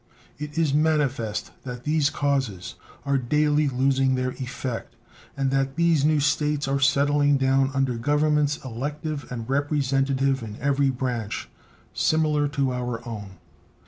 It is manifest that these causes are daily losing their effect, and that these new States are settling down under Governments elective and representative in every branch, similar to our own.